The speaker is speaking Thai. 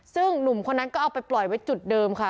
ซึ่งหนุ่มคนนั้นก็เอาไปปล่อยไว้จุดเดิมค่ะ